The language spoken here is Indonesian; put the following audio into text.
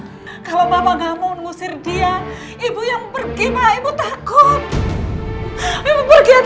aa kalau papa allah mau ngusir dia ibu yang pergi pak ibu takut pergi aja